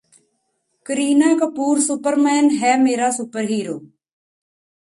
Kareena Kapoor superman ਹੈ ਮੇਰਾ superhero